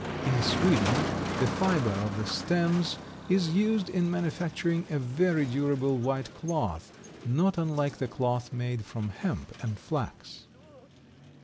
In Sweden the fibre of the stems is used in manufacturing a very durable white cloth, not unlike the cloth made from hemp and flax.